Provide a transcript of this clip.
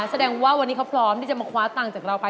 แสดงว่าวันนี้เขาพร้อมที่จะมาคว้าตังค์จากเราไป